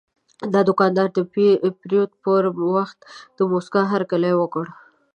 دا دوکاندار د پیرود پر وخت د موسکا هرکلی وکړ.